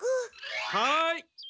はい！